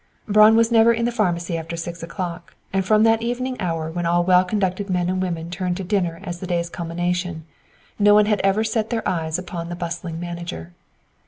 Braun was never in the pharmacy after six o'clock, and from that evening hour when all well conducted men and women turn to dinner as the day's culmination, no one had ever set their eyes upon the bustling manager.